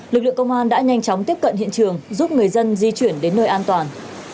lực lượng công an đã nhanh chóng tiếp cận hiện trường giúp người dân di chuyển đến nơi an toàn